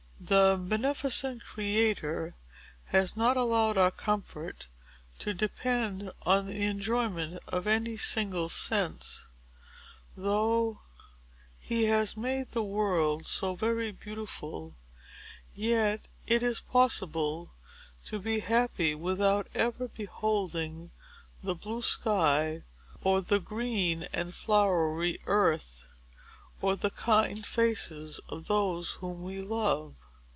The beneficent Creator has not allowed our comfort to depend on the enjoyment of any single sense. Though he has made the world so very beautiful, yet it is possible to be happy without ever beholding the blue sky, or the green and flowery earth, or the kind faces of those whom we love.